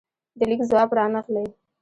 د لیک ځواب رانغلې